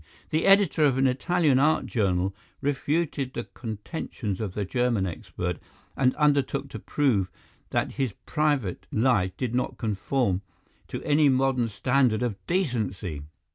The editor of an Italian art journal refuted the contentions of the German expert and undertook to prove that his private life did not conform to any modern standard of decency.